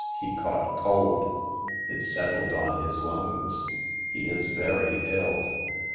He caught cold ; it settled on his lungs ; he is very ill."